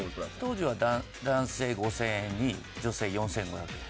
当時は男性５０００円女性４０００円。